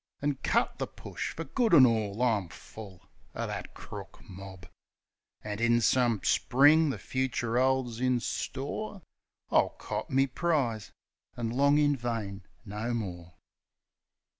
An' cut the push fer good an' all; I'm full Of that crook mob ! An', in some Spring the fucher 'olds in store, I'll cop me prize an' long in vain no more.